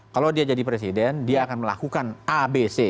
kalau dia jadi presiden dia akan melakukan abc